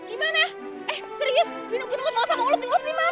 gimana eh serius binu kita ketawa sama ulet ulet dimana sih